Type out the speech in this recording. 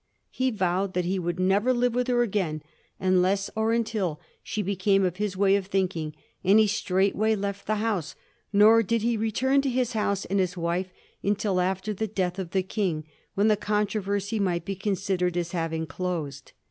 He vowed that he would never live with her again unless or until she became of his way of thinking ; and he straightway left the house, nor did he return to his home and his wife until after the death of the King, when the controversy might be con sidered as having closed.